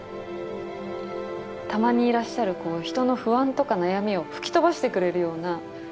たまにいらっしゃる人の不安とか悩みを吹き飛ばしてくれるような。